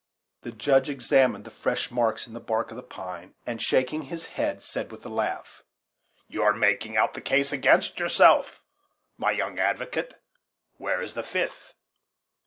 The Judge examined the fresh marks in the bark of the pine, and, shaking his head, said with a laugh: "You are making out the case against yourself, my young advocate; where is the fifth?"